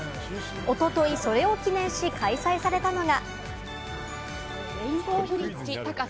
おととい、それを記念し開催されたのが。